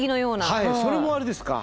はいそれもあれですか？